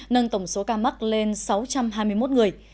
nâng tổng số ca mắc lên sáu trăm hai mươi một người